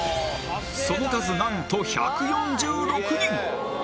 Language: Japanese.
その数何と１４６人！